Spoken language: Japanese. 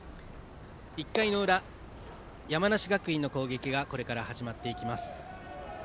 １回の裏、山梨学院の攻撃がこれから始まっていきます。